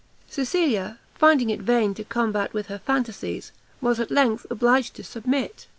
Cecilia, finding it vain to combat with her fantasies, was at length obliged to submit.